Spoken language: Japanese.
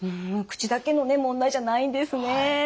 口だけのね問題じゃないんですね。